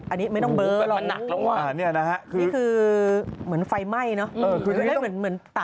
อันนี้ไม่ต้องเบิ้ลอันนี้นะครับนี่คือเหมือนไฟไหม้เนอะหรือเป็นเหมือนตากแดง